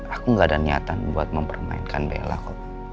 aku gak ada niatan buat mempermainkan bella kok